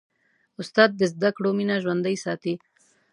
استاد د زدهکړو مینه ژوندۍ ساتي.